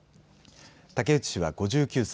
竹内氏は５９歳。